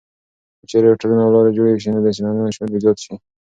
که چېرې هوټلونه او لارې جوړې شي نو د سېلانیانو شمېر به زیات شي.